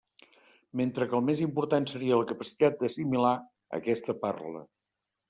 Mentre que el més important seria la capacitat d'assimilar aquesta parla.